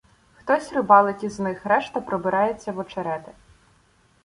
Хтось рибалить із них, решта – пробирається в очерети